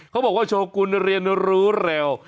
เขาบอกว่าโชกุลเรียนรู้เร็ว